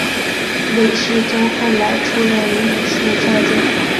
韦士宗后来出任秘书少监。